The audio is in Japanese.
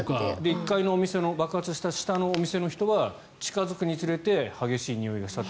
１階の、爆発したお店の下の人は近付くにつれて激しいにおいがしたって。